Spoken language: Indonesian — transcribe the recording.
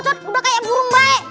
udah kayak burung bae